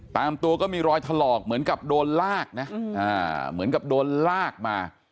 ตามตัวก็มีรอยถลอกเหมือนกับโดนลากนะเหมือนกับโดนลากมา